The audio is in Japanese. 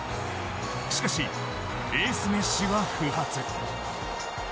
しかしエース・メッシは不発。